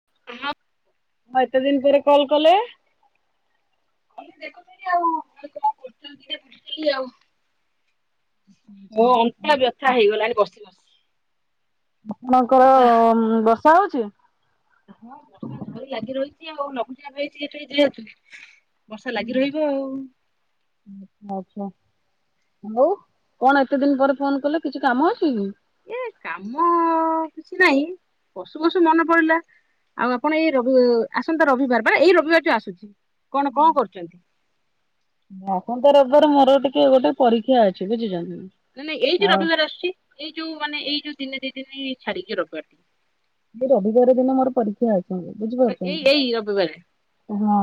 [unintelligible] କଣ ଏତେ ଦିନ ପରେ କଲ କଲେ? ଦେଖୁଥିଲ ଆଉ [unintelligible] କରିଦେଲି ଆଉ। ମୋ ଅଣ୍ଟା ବ୍ୟଥା ହେଇଗଲାଣି ବସି ବସି। ଆପଣଙ୍କର ବର୍ଷା ହଉଚି? ହଁ ବର୍ଷା ଝରି ଲାଗି ରହିଛି ଆଉ ଲଘୁଚାପ ହେଇଛି ଏଠି ଯେହେତୁ। ବର୍ଷା ଲାଗି ରହିବ ଆଉ। ହଉ। କଣ ଏତେ ଦିନ ପରେ ଫୋନ କଲେ କିଛି କାମ ଅଛି କି? ଏ କାମ କିଛି ନାହିଁ। ପଶୁ ପଶୁ ମନେ ପଡିଲା ଆଉ ଆପଣ ଏଇ ରବି ଆସନ୍ତା ରବିବାର ବା ଏଇ ରବିବାର ଯୋଉ ଆସୁଛି। କଣ କଣ କରୁଛନ୍ତି? ଆସନ୍ତା ରବିବାର ମ ମୋର ଟିକେ ଗୋଟେ ପରୀକ୍ଷା ଅଛି ବୁଝୁଛନ୍ତି ନା ନା ଏଇ ଯୋଉ ରବିବାର ଆସୁଛି ଏଇ ଯୋଉ ମାନେ ଏଇ ଯୋଉ ଦିନେ ଦି ଦିନି ଛାଡିକି ରବିବାର ଟି। ରବିବାର ଦିନ ମୋର ପରୀକ୍ଷା ଅ ଆ ଏଇ ଏଇ ରବି ବାରେ। ହଁ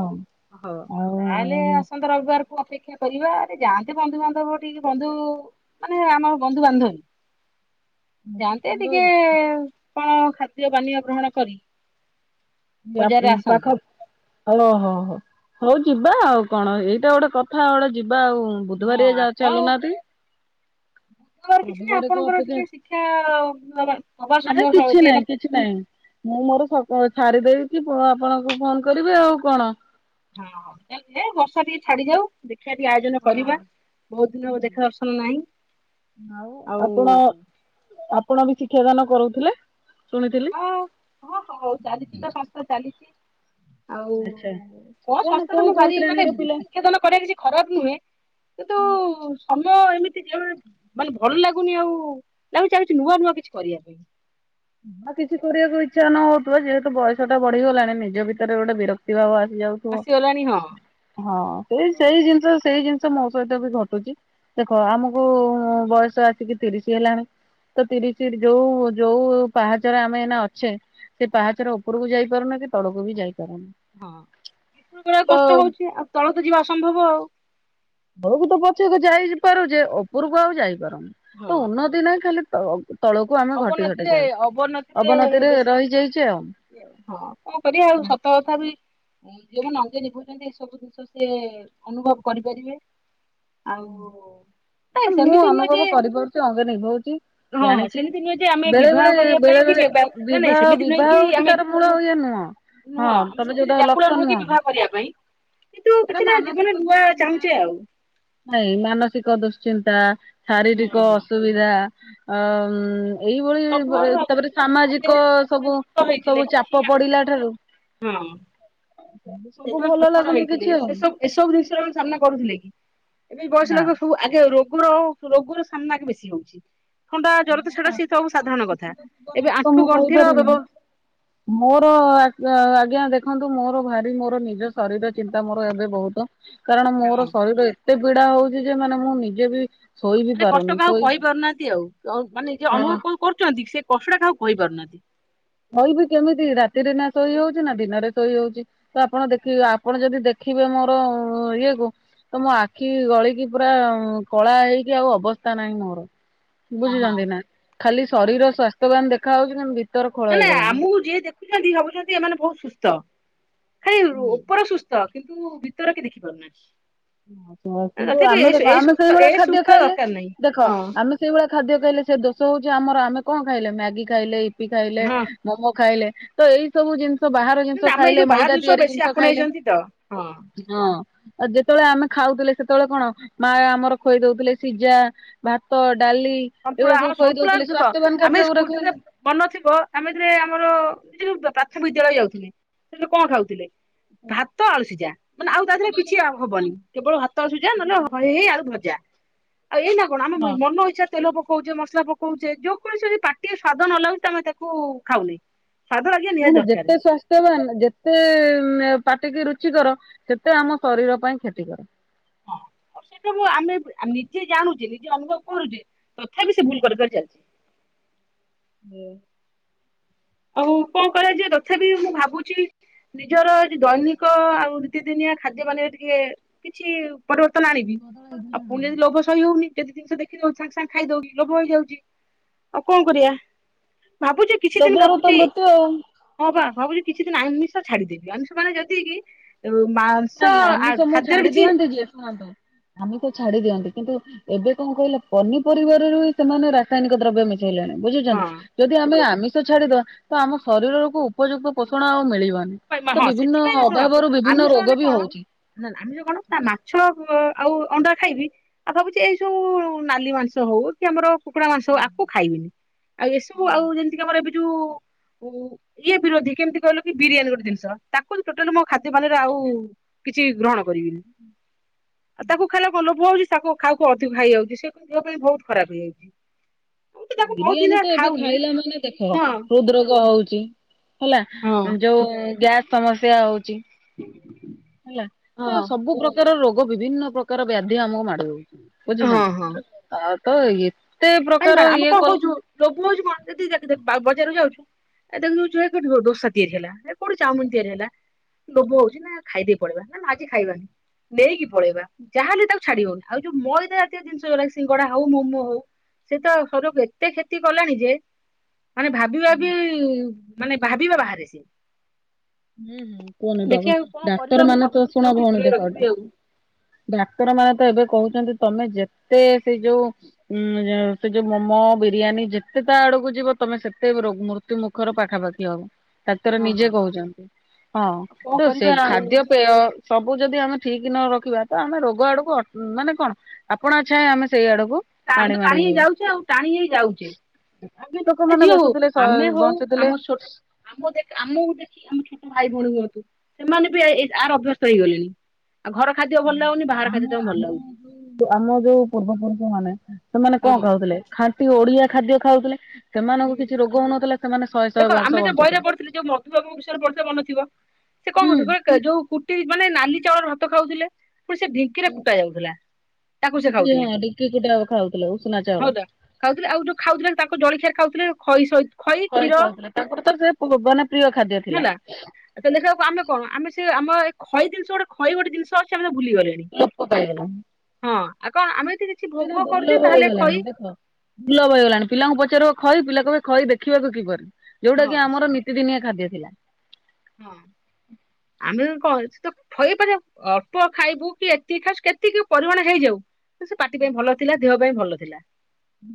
ହଉ ଆଉ ତାହେଲେ ଆସନ୍ତା ରବିବାରକୁ ଅପେକ୍ଷା କରିବା ଆରେ ଯାଆନ୍ତି ବନ୍ଧୁବାନ୍ଧବ ଟିକେ ବନ୍ଧୁ ମାନେ ଆମ ବନ୍ଧୁବାନ୍ଧବୀ। ଯାଆନ୍ତେ ଟିକେ କଣ ଖାଦ୍ୟ ପାନୀୟ ଗ୍ରହଣ କରି। ୟା ଉଁ ବଜାରରେ ପାଖ ଆସନ୍ତେ ଓ ହୋ ହୋ। ହଉ ଯିବା ଆଉ କଣ ଏଇଟା ଗୋଟେ କଥା ଗୋଟେ ଯିବା ଆଉ ଉଁ ହଁ ବୁଧବାରିଆ ଯାଉ ଆପଣ ଚାଲୁ ନାହାନ୍ତି। ବୁଧବାର କିଛି ନାହିଁ ରବିବାରକୁ ଆପଣଙ୍କର ଅପେକ୍ଷା ଟିକେ ଶିକ୍ଷା ଦବା ଦବା ସମୟ ନାଇଁ ହଁ କିଛି ହଁ ନାହିଁ କିଛି ନାହିଁ। ମୁଁ ମୋର ସକ ଛାରି ଦେଇକି ପ ଆପଣଙ୍କୁ ଫୋନ କରିବି ଆଉ କଣ। ହଁ ଏଲ ବି ଏ ବର୍ଷା ଟିକେ ଛାଡି ଯାଉ ଦେ ଖିଆ ଆୟୋଜନ ହଁ କରିବା ବହୁତ ଦିନ ହବ ଦେଖା ଦର୍ଶନ ନାହିଁ। ଆଉ ଆପଣ ଆପଣ ବି ଶିକ୍ଷାଦାନ କରୁଥିଲେ। ଶୁଣିଥିଲି ହଁ ହଁ ହଉ ଚାଲିଛି ତ ସଂସ୍ଥା ଚାଲିଛି। ଆଉ ଆଚ୍ଛା କଣ ସାସ୍ଥ୍ୟରେ କୋଉ ମୁଁ କୋଉ ଭାରି ମାନେ ଶ୍ରେଣୀର ପିଲା? ଶିକ୍ଷାଦନ କରିବା କିଛି ଖରାପ ନୁହେଁ କିନ୍ତୁ ସମୟ ଏମିତି ଜୀବନରେ ମାନେ ଭଲ ଲାଗୁନି ଆଉ ଲାଗୁଛି ଆଉ କିଛି ନୂଆ ନୂଆ କିଛି କରିବା ପାଇଁ। ନୂଆ କିଛି କରିବାକୁ ଇଚ୍ଛା ନ ହଉଥିବ ଯେହେତୁ ବୟସ ଟା ବଢିଗଲାଣି ନିଜ ଭିତରେ ଗୋଟେ ବିରକ୍ତି ଭାବ ଆ ହେଇଯାଉଥିବ ଆସିଗଲାଣି ହଁ ହଁ ସେଇ ସେଇ ଜିନିଷ ସେଇ ଜିନ ସେ ମୋ ସହିତ ବି ଘଟୁଛି ଦେଖ ଆମକୁ ବୟସ ଆସିକି ତିରିସି ହେଲାଣି। ତ ତିରିସି ର ଯୋଉ ଯୋଉ ପାହାଚର ଆମେ ଏଇନା ଅଛେ ସେ ପାହାଚର ଉପରକୁ ଯାଇପାରୁନେ କି ତଳକୁ ବି ଯାଇ ହଁ ଉପରୁ ଚଢ଼ିବାକୁ କଷ୍ଟ ହଉଛି ଆଉ ତଳ କୁ ଯିବା ଅସମ୍ଭବ ଆଉ। ତଳକୁ ତ ପଛକେ ଯାଇପାରୁଛେ ଓପରକୁ ଆଉ ଯାଇପାରୁନି ହଁ ତ ଉନ୍ନତି ନାହିଁ ଖାଲି ତ ତଳକୁ ଆମେ ଘଟି ଘଟି ଅବନତିରେ ଯାଉଛେ ଅବନତିରେ ଅବନତିରେ ବେଶୀ ରହିଯାଇଛେ ଆଉ। ହଁ କଣ କରିବା ଆଉ ସତ କଥା ବି। ଉଁ ଯେଉମାନେ ଅଙ୍ଗି ନିଭଉଛନ୍ତି ଏ ସବୁ ଜିନିଷ ସେ ଅନୁଭବ କରିପାରିବେ। ଆଉ କାଇଁ ମୁଁ ନୁହେଁ ଅନୁଭବ ଯେ କରିପାରୁଛି ଅଙ୍ଗେ ନିଭଉଛି ହଁ ଜାଣିଛି। ସେମିତି ନୁହେଁ ଯେ ଆମେ ବେଳେ ବେଳେ ବିବାହ କରିବା ବେଳେ ପାଇଁ କି ବେଳେ ଦେବା ନା ନାଇ ବିବାହ ସେମିତି ନୁହେଁ ବିବାହ କି ହଉଛି ଆମେ। ତାର ମୂଳ ଇଏ ନୁହଁ। ହଁ ନୁହଁ ଆମେ ତମେ ସେମିତି ଯୋଉଟା ବ୍ୟାକୁଳ ଲକ୍ଷ୍ୟ ନୁହଁ କି ବିବାହ କରିବା ପାଇଁ। କିନ୍ତୁ କିଛି ନାଇଁ ନା ଜୀବନ ନୂଆ ଚାହୁଁଛେ ଆଉ। ମାନସିକ ଦୁଶ୍ଚିନ୍ତା। ହଁ ହଁ ଶାରୀରିକ ଅସୁବିଧା ଅମ ଏଇଭଳି ବ ଏ ସବୁଆଡୁ ଆଗ ତାପରେ ଆଗେ ସାମାଜିକ ସବୁ। ଛୋଟ ହେଇଥିଲେ ସବୁ କିଛି ଚାପ ପଡିଲା ଠାରୁ। ହଁ। ସବୁ ଭଲ ଲାଗୁନି କି ଏସବୁ ଏସବୁ ଜିନିଷର କଣ ସାମ୍ନା କରୁଥିଲେ କି? ଏବେ ଏଇ ବୟସ ନା ହେଲାକୁ ସବୁ ଆଗେ ରୋଗର ରୋଗର ସାମ୍ନା ଆଗେ ବେଶୀ ହଉଛି। ଥଣ୍ଡା ଜର ତ ସେଟା ସିଏ ତ ଆଉ ସାଧାରଣ କଥା ଏବେ ତ ମୁଁ ଆଣ୍ଠୁ ଗଣ୍ଠିର କହିପାରିବିନି ବ୍ୟବ। ମୋର ଆଜ୍ଞା ଆଜ୍ଞା ଦେ ଦେଖନ୍ତୁ ମୋର ଭାରି ମୋର ନିଜ ଶରୀର ଚିନ୍ତା ମୋର ଏବେ ବହୁତ କାରଣ ହଁ ମୋର ଶରୀର ଏତେ ପିଡା ହଉଛି ଯେ ମାନେ ମୁଁ ନିଜେ ବି ଶୋଇ ବି ମାନେ କଷ୍ଟ ପାରୁନି କାହାକୁ ଶୋଇ କହିପାରୁନାହାନ୍ତି ଆଉ। କଉ ମାନେ ନିଜେ ଅନୁଭବ କଣ କରୁଛନ୍ତି ସେ କଷ୍ଟଟା କାହାକୁ କହିପାରୁନାହାନ୍ତି। କହିବି କେମିତି ରାତିରେ ନା ଶୋଇ ହଉଛି ନା ଦିନରେ ଶୋଇ ହଉଛି ତ ଆପଣ ଦେଖିବେ ଆପଣ ଯଦି ଦେ ଖିବେ ମୋର ଇଏ କୁ ତ ମୋ ଆଖି ଗଳିକି ପୁରା କଳା ହେଇକି ଆଉ ଅବ ତାନାଇ ମୋର ହଁ ହଁ। ବୁଝିଛନ୍ତି ନା ଖାଲି ହଁ ଶରୀର ସ୍ୱାସ୍ଥ୍ୟବାନ ଦେଖା ହଉଛି କିନ୍ତୁ ଭିତ ନା ନା ଆମକୁ ଯିଏ ଦେଖୁଛନ୍ତି ଭାବୁଛନ୍ତି ଏମାନେ ବହୁତ ସୁସ୍ଥ। ଖାଲି ଉପର ସୁସ୍ଥ କିନ୍ତୁ ଭିତରେ କି ଦେଖି ପାରୁନାହି। କିନ୍ତୁ ଆମେ ଦେଖ ଆମେ ସୁସ୍ଥ ସେଇଭଳିଆ ଏ ଖାଦ୍ୟ ସୁସ୍ଥ ଖାଇଲେ ଦରକାର ନାହିଁ। ଦେଖ ହଁ। ଆମେ ସେଇଭଳିଆ ଖାଦ୍ୟ ଖାଇଲେ ସେ ଦୋଷ ହଉଛି ଆମର ଆମେ କଣ ଖାଇଲେ ମ୍ୟାଗି ଖାଇଲେ, ଇପି ଖାଇଲେ, ହଁ ମୋମୋ ଖାଇଲେ ତ ଏଇ ସବୁ ଜିନ ଶ ବାହାର ଜିନିଷ ଆମେ ଏଇ ଖାଇଲେ ଯୋଉ ବାହାର ମଇଦା ତିଆରି ବେଶୀ ଜିନିଷ ଖାଇଲେ ଆପଣେଇଛନ୍ତି ତ ହଁ। ହଁ ଆ ଯେ ଯେତେବେଳେ ଆମେ ଖାଉଥିଲେ ସେତେବେଳେ କଣ ମା ଆମର ଖୋଇ ଦଉଥିଲେ ସିଝା ଭାତ ଡାଲି ସନ୍ତୁଳା ଏଗୁଡା ସବୁ ଆମ ଖୋଇ ସନ୍ତୁଳା ଦଉଥିଲେ ଦୁଃଖ ସ୍ୱାସ୍ଥ୍ୟବାନ ଆମେ ଖାଦ୍ୟ ଗୁଡା ସ୍କୁଲ ଯେତେ ଖୋଇଲେ ବନ ଥିବ ଆମେ ଯେରେ ଆମର ସେ ଯୋଉ ପା ପ୍ରାଥ ବିଦ୍ୟାଳୟ ଯାଉଥିଲେ ସେ କଣ ଖାଉଥିଲେ? ଭାତ ଆଳୁ ସିଝା ମାନେ ଆଉ ତା ଦେହରେ କିଛି ଆଉ ହବନି କେବଳ ଭାତ ଆଳୁସିିଝା ନହେଲେ ହ ହେଇ ଆଳୁ ଭଜା। ଆଉ ଏଇ ନା କଣ ଆମ ଇ ମନଇଚ୍ଛା ରେ ତେଲ ପକଉଛେ ମସଲା ପକଉଛେ ଯଉ କୌଣସି ପାଟିଏ ସ୍ଵାଦ ନଲାଗୁଛି ଆମେ ତାକୁ ଖାଉନି। ସ୍ଵାଦ ଲାଗିବା ନିହାତି ଦରକାର ଯେତେ ସ୍ୱାସ୍ଥ୍ୟବାନ ଯେତେ ପାଟିକି ରୁଚି କର ସେତେ ଆମ ଶରୀର ପାଇଁ କ୍ଷତି କର। ହଁ। ଆଉ ସେଟାକୁ ଆମେ ଆ ନିଜେ ଜାଣୁଛେ ନିଜେ ଅନୁଭବ କରୁଛେ ତଥାପି ସେ ଭୁଲ କରିବାର ଚାଲିଛି। ହୁଁ। ଆଉ କଣ କରାଯିବଏ ତଥାପି ମୁଁ ଭାବୁଛି ନିଜର ଯଇ ଦୈନିକ ଆଉ ରୀତିଦିନିଆ ଖାଦ୍ୟ ମାନେ ଟିକେ କିଛି ପରିବର୍ତ୍ତନ ଆଣିବି ଆଉ ପୁଣି ଯଦି ଲୋଭ ସହି ହଉନି ଯଦି ଜିନିଷ ଦେଖିଦଉଛି ସାଙ୍ଗେ ସାଙ୍ଗେ ଖାଇଦଉଛି ଲୋଭ ହେଇଯାଉଛି ଆଉ କଣ କରିବା? ଭାବୁଛୁ କିଛି ଦିନ ଭାବୁ ବତଆଉ। ଭାବୁଛି କିଛି ଦିନ ଆମିଷ ଛାଡିଦେବି ଆମିଷ ମାନ ଯଦିକି ନାଇଁ ଆମିଶ ମୁଁ ଛାଡି ଦିଅନ୍ତି ଯିଏ ଶୁଣନ୍ତୁ ଆମିଶ ଛାଡି ଦିଅନ୍ତି। କିନ୍ତୁ ଏବେ କଣ କହିଲା ପନିପରିବାରରୁ ହି ସେମାନେ ରାସାୟନିକ ଦ୍ରବ୍ୟ ମିଶ ଣି ବୁଝିଛନ୍ତି ଯଦି ଆମେ ଆମି ଶ ଛାଡିଦବା ତ ଆମ ଶରୀରକୁ ଉପଯୁକ୍ତ ପୋଷଣ ଆଉ ମିଳିବ ନି ହଁ ତ ହଁ ବିଭିନ୍ନ ସେଥିପାଇଁ ଶୁଣ ଅଭାବରୁ ବିଭିନ୍ନ ଆମିଷ ରୋ ମାନେ କଣ ନା ଆମେ ଯ କଣ ତା ମାଛ ଆଉ ଅଣ୍ଡା ଖାଇବି ଆଉ ଭାବୁଛି ଏଇ ସବୁ ନାଲି ମାଂସ ହଉ କି ଆମର କୁକୁଡ଼ା ମାଂସ ହଉ ଆକୁ ଖାଇବିନି ଆଉ ଏସବୁ ଆଉ ଯେମତିିକି ଆମର ଏଇ ବି ଯୋଉ ଇଏ ବିରୋଧୀ କେମିତି କହିଲ କି ବିରିୟାନୀ ଗୋଟେ ଜିନିଷ ତାକୁଲଟୋଟାଲ ମୋ ଖାଦ୍ୟ ପାନରେ ଆଉ କିଛି ଗ୍ରହଣ କରିବି ଆଉ ତାକୁ ଖାଇଲାଳୁ କଁ ଲୋଭ ହୋଉଚି? ତାକୁ ଖାଉହାକୁ ଅଧିକ ହେଇଯାଉଛି ସେ କ ଦେହ ପାଇଁ ବହୁତ ଖରାପ ହେଇଯାଉଛି। ମୁଁ ତ ତାକୁ ବହୁତ ବିରିୟାନୀ ଦିନ ତ ଏବେ ଖାଉନି ଖାଇଲା ମାନେ ଦେଖ ହଁ ହଁ। ହୃଦ ରୋଗ ହଉଛି। ହେଲା ଯୋଉ ଗ୍ୟାସ ସମସ୍ୟା ହଉଛି। ହେଲା ତ ହଁ। ସବୁ ପ୍ରକାର ରୋଗ ବିଭିନ୍ନ ପ୍ରକାର ବ୍ୟାଧି ଆମକୁ ମାଡ ହଉଛି। ହଁ ବୁଝୁଛନ୍ତି ତ ଏତେ ନାଇଁ ପ୍ରକାର ନା ଆମେ ଇଏ କଣ କଲ କହୁଛୁ ଲୋଭ ହଉଛି କଣ ଯଦି ଯ ବଜାରକୁ ଯାଉଛୁ ଏ ଦେଖ ଯଉଠୁ ଦୋ ଦୋସା ତିଆରି ହେଲା ଏ କୋଉଠି ଚାଉମିନ ତିଆରି ହେଲା ଲୋଭ ହଉଛି ନା ଖାଇଦେଇ ପଡିବା ନା ଆଜି ଖାଇବାନି। ନେଇକି ପଳେଇବା ଯାହାଲେ ତାକୁ ଛାଡି ହଉନି ଆଉ ଯୋଉ ମଇଦା ଜାତୀୟ ଜିନିଷ ଉରା ସିଙ୍ଗଡା ହଉ ମୋମୋ ହଉ ସେ ତ ସର ଏତେ କ୍ଷତି କଲାଣି ଯେ ମାନେ ଭାବି ଭାବି ମାନେ ଭାବିବା ବାହାରେସିଏ। ହୁଁ ହୁଁ କୁହନି କରିବା ଡାକ୍ତର ମୁଁ ମାନେ ତ ଭାବୁଛି ଶୁଣ ନିଜକୁ ଟିକେ ଭଉଣୀ ଦୂରେଇ ଦେଖ ଏ ରଖିବି ଟା। ଆଉ। ଡାକ୍ତର ମାନେ ତ ଏବେ କହୁଛନ୍ତି ତମେ ଯେତେ ସେଇ ଯୋଉ ଉଁ ସେ ଯୋଉ ମୋମୋ ବିରିୟାନୀ ଯେତେ ତା ଆଡକୁ ଯିବ ତମେ ସେତେ ରୋ ମୃତ୍ୟୁ ମୁଖର ପାଖାପାଖି ହବ। ଡାକ୍ତର ହଁ ନିଜେ ହଁ। କହୁଚନ୍ତି ହଁ ଆଉ କଣ ତ ସେ କରିବା ଆଉ ଖାଦ୍ୟ ପେୟ ସବୁ ଯଦି ଆମେ ଠିକ ନ ରଖିବା ତ ଆମେ ରୋଗ ଆଡକୁ ଅ ମାନେ କଣ ଆପଣା ଛାଏଁ ଆମେ ସେଇ ଆଡକୁ ତା ଆମେ ମାଡି ତ ମାଡି ଟାଣି ହେଇ ଯିବା ଯାଉଚେ ଆଉ ଟାଣି ହେଇ ଯାଉଚେ। ଆଗେ ଏ ଲୋକମାନେ ଯିଏ ହଉ ବସୁଥିଲେ ଆମେ ହଉ ବଞ୍ଚୁଥିଲେ ଆମ ଶୋଟ୍ ଆମ ଦେ ଆମକୁ ଦେଖି ଆମେ ଛୋ ଭାଇ ଭଉଣୀ ହୁଅନ୍ତୁ ସେମାନେ ବି ଏଇ ଏଇ ଆର ଅଭ୍ୟସ୍ତ ହେଇଗଲେଣି। ଆଉ ଘର ଖାଦ୍ୟ ଭଲ [unintelligible] ଲାଗୁନି ବାହାର ଖାଦ୍ୟ ଆମ ତାଙ୍କୁ ଭଲ ଆମ ଲାଗୁଛି। ଯୋଉ ଆମ ଯୋଉ ପୂର୍ବପୁରୁଷ ମାନେ ସେମାନେ ହଁ କଁ ହୁଁ। ଖାଉ ଥିଲେ ଖାଣ୍ଟି ଓଡିଆ ଖାଦ୍ୟ ଖାଉଥୁଲେ ସେମାନଙ୍କୁ କିଛି ରୋଗ ହଉନଥିଲା। ସେ ଦେଖ ଆମେ ଯେ ବଇରେ ପଢୁଥିଲୁ ଯୋଉ ମଧୁବାବୁ ବିଷୟରେ ପଢୁଥିଲେ ମନ ଥିବ। ସେ କଣ ହୁଁ କହୁ [unintelligible] ଯୋଉ କୁଟି ମାନେ ନାଲି ଚାଉଳର ଭାତ ଖାଉଥିଲେ। ପୁଣି ସେ ଢିଙ୍କିରେ କୁଟା ଯାଉଥିଲା ତାକୁ ସେ ଖାଉଥିଲି। ଡିକି କୁଟା ଖାଉଥିଲେ ଉଷୁନା ଚାଉଳ। [unintelligible] ଖାଉଥିଲେ ଆଉ ଯୋଉ ଖାଉଥୁଲେ ତାଙ୍କ ଜଳଖିଆରେ ଖାଉଥିଲେ ଖଇ ସହିତ ଖଇ ଖାଉଥିଲେ ତାଙ୍କର ତ ସେ [unintelligible] ବନା ପ୍ରିୟ ଖାଦ୍ୟ ଥିଲା। ତାଲେ ସିଏ ଆଉ ଆମେ କଣ ଆମେ ସେଇ ଆମ ଏଇ ଖଇ ଜିନିଷ ଗୋଟେ ଖଇ ଗୋଟେ ଜିନିଷ ଅଛି ଆମେ ତାକୁ ଭୁଲିଗଲେଣି। ଲୋପ ପାଇଗଲା। ହଁ ଆଁ କଣ ଆମେ ଯଦି କିଛି ଭୋଗ କରୁଚେ ତାହେଲେ ଖଇ ଲୋପ ହେଇଗଲାଣି ପିଲାଙ୍କୁ ପଚାରିବ ଖାଇ ପିଲା କଇବେ ଖଇ ଦେଖିବାକୁ କିପରି? ଯୋଉଟା ହଁ କି ସେ ଆମର ନିତିଦିନିଆ ଖାଦ୍ୟ ଥିଲା। ହଁ ଆମେ କଁ ଅଛ୍। ତ ଫଇପାରେ ଅଳ୍ପ ଖାଇବୁ କି ଏତିକି ଖାଇୁବ କେତିକି ପରିମାଣ ହେଇଯାଉ। ସେ ପାଟି ପାଇଁ ଭଲ ଥିଲା ଦେହ ପାଇଁ ଭଲ ଥିଲା। ହୁଁ।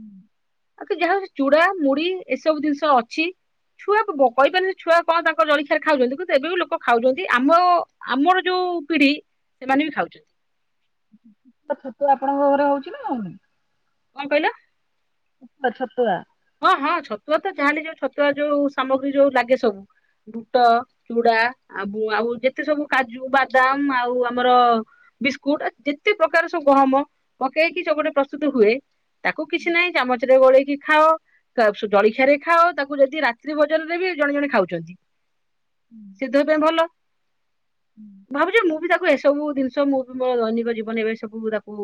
ଆଉ କି ଯାହା ହୋଉ ଚୁଡା ମୁଢି ଏସବୁ ଜିନିଷ ଅଛି। ଛୁଆଙ୍କୁ ବ କହିପାରନି ଛୁଆ କଣ ତାଙ୍କର ଜଳିଖି [unintelligible] ଖାଉଚନ୍ତି କିନ୍ତୁ ଏବେ ବି ଲୋକ ଖାଉଚନ୍ତି ଆମ ଆମର ଯୋଉ ପିଢି ସେମାନେ ବି ଖାଉଚନ୍ତି। ତ ଛତୁଆ ଆପଣଙ୍କ ଘରେ ହଉଚି ନା ହଉନି? କଣ କଇଲ? [unintelligible] ଛତୁଆ। ହଁ ହଁ ଛତୁଆ ତ ଯାହେଲେ ଯୋଉ ଛତୁଆ ଯୋଉ ସାମଗ୍ରୀ ଯୋଉ ଲାଗେ ସବୁ। ବୁଟ, ଚୁଡା ଆ ବୋ ଆଉ ଯେତେ ସବୁ କାଜୁ, ବାଦାମ ଆଉ ଆମର ବିସ୍କୁଟ ଏ ଯେତେ ପ୍ରକାର ସବୁ ଗହମ ପକେଇକି ସବୁ ଗୋଟେ ପ୍ରସ୍ତୁତ ହୁଏ। ତାକୁ କିଛି ନାଇଁ ଚାମଚ ରେ ଗୋଳେଇକି ଖାଅ। ତା ସୁ ଜଳଖିଆରେ ଖାଅ ତାକୁ ଯଦି ରାତ୍ରି ଭୋଜନରେ ବି ଜଣେ ଜଣେ ଖାଉଚନ୍ତି। ସିଏ ଦେହ ପାଇଁ ଭଲ। ଭାବୁଚି ମୁଁ ବି ତାକୁ ଏସବୁ ଜିନିଷ ମୁଁ ବି ମୋର ଦୈନିକ ଜୀବନ ଏବେ ସବୁ ତାକୁ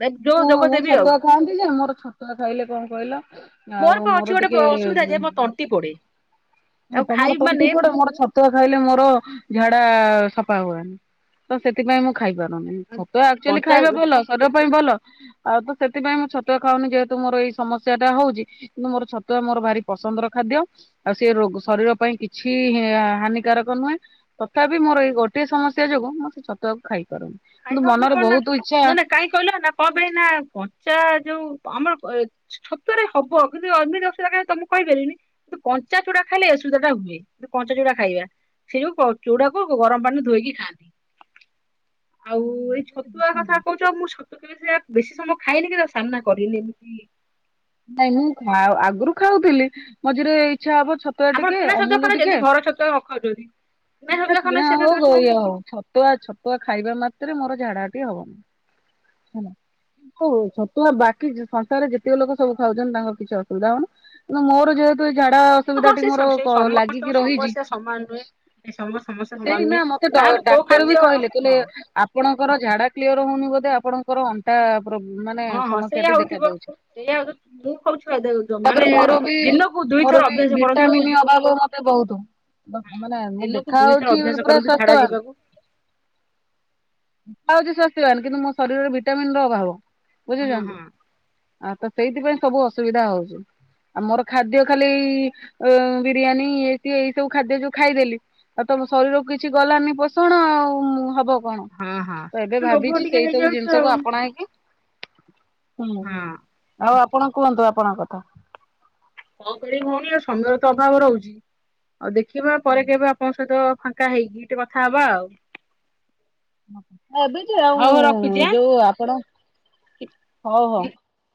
ଦେ- ଯୋଉ ମୁଁ ଯୋଗ ଦେବି ଆଉ ଛତୁଆ ଖାଆନ୍ତି ଯେ ମୋର ଛତୁଆ ଖାଇଲେ କଣ କଇଲ ଆଉ ପା ଅଛି ମୋର ଗୋଟେ ଟିକେ ପ୍ର- ଅସୁବିଧା ଯେ ମୋ ତଣ୍ଟି ପୋଡେ ମାନେ ତାକୁ ତମର ଖାଇବି ତଣ୍ଟି ମାନେ ପୋଡେ ମୋର ଛତୁଆ ଖାଇଲେ ମୋର ଝାଡା ସଫା ହୁଏନି ତ ସେଥିପାଇଁ ମୁଁ ଖାଇପାରୁନି ଛତୁଆ ଆକ୍ଚୁଲି କଞ୍ଚା ଖାଇବା ଭଲ ଶରୀର ପାଇଁ ଭଲ। ଆଉ ତ ସେତିପାଇଁ ମୁଁ ଛତୁଆ ଖାଉନି ଯେହେତୁ ମୋର ଏଇ ସମସ୍ୟା ଟା ହଉଚି କିନ୍ତୁ ମୋର ଛତୁଆ ମୋର ଭାରି ପସ ନ୍ଦର ଖାଦ୍ୟ ଆଉ ସେ ରୋଗ ଶରୀର ପାଇଁ କିଛି ହେଁ ହାନିିକାରକ ନୁହେଁ ତଥାପି ମୋର ଏଇ ଗୋଟିଏ ସମସ୍ୟା ଯୋଗୁଁ ମୁଁ ସେଇ ଛତୁଆକୁ ଖାଇ ଖାଇ ହବନି କଣ ନା ନା ନା କାଇଁକି କଇଲ ନା କପାଇଁ ନା କଞ୍ଚା ଯୋଉ ପ ଆମର ପ ଏ ଛ-ଛତୁଆ ରେ ହବ କିନ୍ତୁ ଅ ଏମିତି ଅସୁବିଧା କାଇଁ ତମକୁ କହିପାରିବିନି କିନ୍ତୁ କଞ୍ଚା ଚୁଡା ଖାଇଲେ ଏ ସ ଅସୁବିଧା ଟା ହୁଏ ତ କଞ୍ଚା ଚୁଡା ଖାଇବା ସେଇଯୋଉ ଚୁଡାକୁ ଗରମ ପାଣିରେ ଧୋଇକି ଖାଆନ୍ତି। [inaudible] ଆଉ ଏଇ ଛତୁଆ କଥା କହୁଚ ମୁଁ ସୁ ତ କେବେ ସେୟା ବେଶୀ ସମୟ ଖାଏନି କି ତା ସାମ୍ନା କରିନି ଏମିତି ନାଇଁ ମୁଁ ଖା ଆଗରୁ ଖାଉଥୁଲି ମଝିରେ ଏଇ ଇଛା ହବ ଛତୁଆ ଆମର ଟିକେ କିଣା ଛତୁଆ ଅମୁଲ ଖାଉନା ଟିକେ ଯଦି ଘର ଛତୁଆ ନ ଖାଉଛନ୍ତି ବା ଛତୁଆ ଖାଉନା କିଣା ସେ ହଉ ଛତୁଆ ଗୋ ସୁଧା। ଇଏ ହଉ ଛତୁଆ ଛତୁଆ ଖାଇବା ମାତ୍ରେ ମୋର ଝାଡା ପି ହେବ। ହୁଁ, ହୋଉ ଛତୁଆ ବାକି ସଂସାରେ ଯେତିକ ଲୋକ ସବୁ ଖାଉଛନ୍ତି ତାଙ୍କର କିଛି ଅସୁବିଧା ହଉନି। କିନ୍ତୁ ମୋର ଯେହେତୁ ଝାଡା ଅସୁବିଧା ହଁ ଟି ସେ ମୋର ସମ- ସେ ସମସ୍ତଙ୍କ ଲାଗିକି ରହିଛି। ସମସ୍ୟା ସମାନ ନୁହେଁ ସମସ୍ତ ସମସ୍ୟା ସମାନ ସେଇନା ନୁହେଁ ମତେ କାହାକୁ କୋଉ ଡାକ୍ତର ଖାଦ୍ୟ ବି କହିଲେ, କହିଲେ ହଁ ଆପଣଙ୍କର ଝାଡା କ୍ଲିଅର ହଉନି ବୋଧେ ଆପଣଙ୍କର ଅଣ୍ଟା [unintelligible] ମାନେ ହଁ ହଁ ସମସ୍ୟା ସେଇଆ ଟି ହଉଥିବ ଦେଖାଯାଉଛି। ସେଇଆ ହଉ ମୁଁ କହୁଛି ତାପରେ ମାନେ ମୋର ବି, ଦିନକୁ ଦୁଇଥର ମୋର ବି ଅଭ୍ୟାସ କରନ୍ତୁ ହଁ ଭିଟାମନ୍ ଅଭାବ ମତେ ବହୁତ। ମାନେ ମୁଁ ଦିନକୁ ଦେଖା ଦୁଇଥର ହଉଛି ଅଭ୍ୟାସ ପୁରା କରନ୍ତୁ ଝାଡା ସ୍ୱାସ୍ଥ୍ୟବାନ। ଯିବାକୁ ଦେଖାଯାଉଛି ସ୍ୱାସ୍ଥ୍ୟବାନ କିନ୍ତୁ ମୋ ଶରୀରରେ ଭିଟାମିନ ର ଅଭାବ। ହଁ ବୁଝୁଛନ୍ତି ହଁ ଆଉ ସେଇଥିପାଇଁ ସବୁ ଅସୁବିଧା ହଉଛି। ଆମର ଖାଦ୍ୟ ଖାଲିଇ ବିରିୟାନୀ ଏ ଏଇ ସବୁ ଖାଦ୍ୟ ଯୋଉ ଖାଇଦେଲି। ଆଉ ତମ ଶରୀରକୁ କିଛି ଗଲାନି ପୋଷଣ ଆଉ ହବ କଣ, ହଁ ହଁ ତ ଏବେ ଲୋଭ ଭାବିଛି ଟିକେ ସେଇ ସବୁ ଜିନିଷକୁ ଆପଣାଇକି। ହୁଁ। ଆଉ ଆପଣ କୁହନ୍ତୁ ଆପଣଙ୍କ କଥା। କଣ କହିବି ଭଉଣୀ ଆଉ ସମୟର ତ ଅଭାବ ରହୁଛି। ଆଉ ଦେଖିବା ପରେ କେବେ ଆପଣଙ୍କ ସହିତ ଫାଙ୍କା ହେଇକି ଟିକେ କଥା ହବା ଆଉ। ଏବେଯେ ଆଉ ହଉ ହଉ ରଖୁଛି ଆଁ ଯୋଉ ଆପଣ, ହଉ ହଉ।